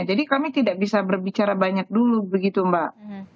jadi kami tidak bisa berbicara banyak dulu begitu mbak